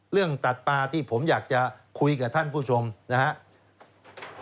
เรื่องตัดปลาที่ผมอยากจะคุยกับท่านผู้ชมนะครับ